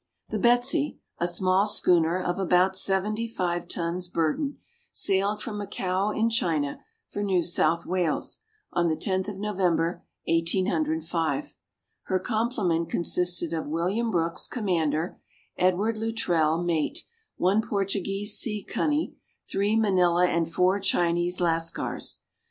The Betsey, a small schooner of about 75 tons burden, sailed from Macao in China, for New South Wales, on the 10th of November, 1805. Her complement consisted of William Brooks, commander, Edward Luttrell, mate, one Portuguese seacunny, three Manilla and four Chinese Lascars.